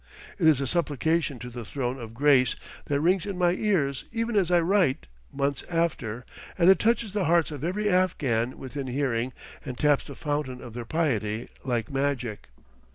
It is a supplication to the throne of grace that rings in my ears even as I write, months after, and it touches the hearts of every Afghan within hearing and taps the fountain of their piety like magic.